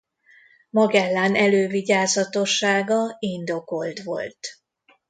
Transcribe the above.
Magellán elővigyázatossága indokolt volt.